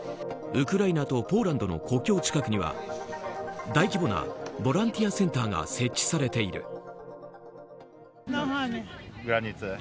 ウクライナとポーランドの国境近くには大規模なボランティアセンターが設置されている。